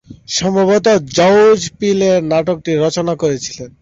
সম্ভবত George Peele এই নাটকটি রচনা করেছিলেন।